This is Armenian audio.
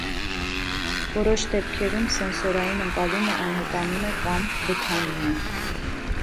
Որոշ դեպքերում սենսորային ընկալումը անհետանում է կամ բթանում է։